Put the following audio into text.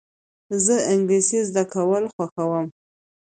زه انګلېسي زده کول خوښوم.